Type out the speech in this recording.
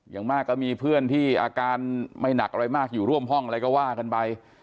อย่างมากก็มีเพื่อนที่อาการไม่หนักอะไรมากอยู่ร่วมห้องอะไรก็ว่ากันไป